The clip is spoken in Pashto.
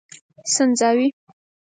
سنځاوي